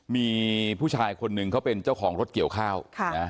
มีผู้ชายคนหนึ่งเขาเป็นเจ้าของรถเกี่ยวข้าว